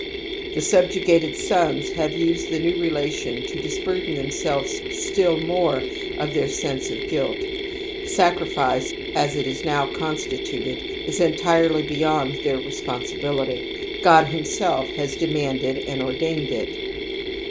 The subjugated sons have used the new relation to disburden themselves still more of their sense of guilt. Sacrifice, as it is now constituted, is entirely beyond their respon sibility i God himself has demanded and or dained it.